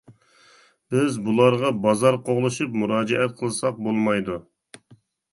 بىز بۇلارغا بازار قوغلىشىپ مۇراجىئەت قىلساق بولمايدۇ.